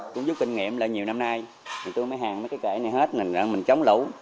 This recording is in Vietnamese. cũng giúp kinh nghiệm là nhiều năm nay mình tươi mấy hàng mấy cái cải này hết mình chống lũ